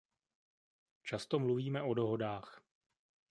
Často mluvíme o dohodách.